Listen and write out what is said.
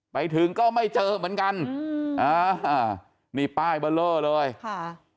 ไปถึงก็ไม่เจอเหมือนกันอืมอ่านี่ป้ายเบอร์เลอร์เลยค่ะ